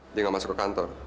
dia nggak masuk ke kantor